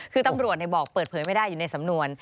คือตำรวจบอกเปิดเผยไม่ได้อยู่ในสำนวน